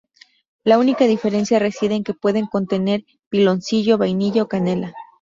La única diferencia reside en que pueden contener piloncillo, vainilla o canela.